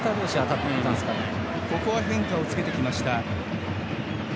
変化をつけてきました。